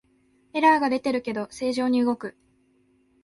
エラーが出てるけど正常に動く